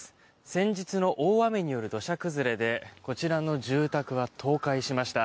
先日の大雨による土砂崩れでこちらの住宅は倒壊しました。